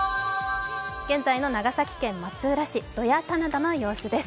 現在の長崎県松浦市、土谷棚田の様子です。